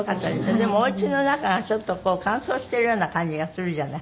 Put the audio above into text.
でもお家の中がちょっとこう乾燥してるような感じがするじゃない。